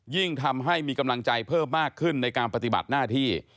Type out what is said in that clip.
ยิ่งทำให้มีกำลังใจเพิ่มมากขึ้นในการปฏิบัติหน้าที่